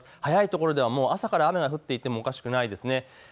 早いところではもう朝から雨が降っていてもおかしくないですね。